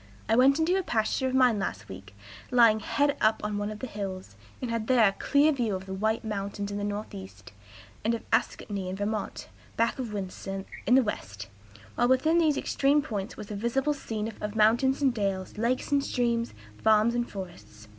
I went into a pasture of mine last week, lying high up on one of the hills, and had there a clear view of the White Mountains in the northeast, and of Ascutney, in Vermont, back of Windsor, in the west; while within these extreme points was a visible scene of mountains and dales, lakes and streams, farms and forests.